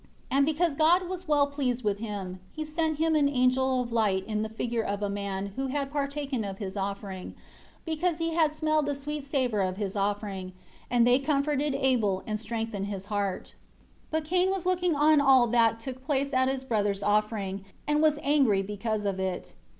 23 And because God was well pleased with him, He sent him an angel of light in the figure of a man who had partaken of his offering, because He had smelled the sweet savor of his offering, and they comforted Abel and strengthened his heart. 24 But Cain was looking on all that took place at his brother's offering, and was angry because of it.